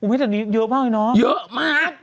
บุเลล่ะตอนนี้เยอะมากเลยน้องเยอะมาก